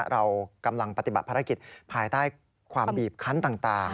เรากำลังปฏิบัติภารกิจภายใต้ความบีบคันต่าง